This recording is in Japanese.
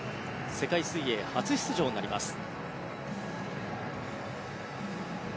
世界水泳初出場になります。